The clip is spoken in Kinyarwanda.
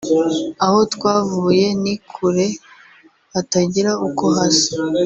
aho twavuye ni kure hatagira Uko hasa